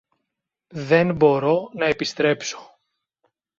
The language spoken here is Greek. Δεν μπορώ να επιστρέψω.